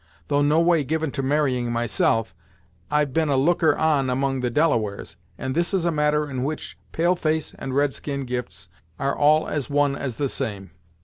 Though no way given to marrying myself, I've been a looker on among the Delawares, and this is a matter in which pale face and red skin gifts are all as one as the same.